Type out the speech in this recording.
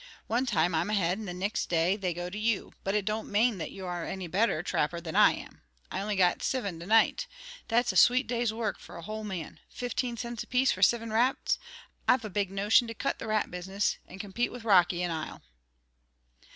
One time I'm ahead, and the nixt day they go to you: But it don't mane that you are any better TRAPPER than I am. I only got siven to night. That's a sweet day's work for a whole man. Fifteen cints apace for sivin rats. I've a big notion to cut the rat business, and compete with Rocky in ile."